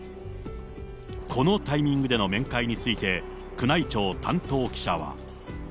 このタイミングでの面会について、宮内庁担当記者は。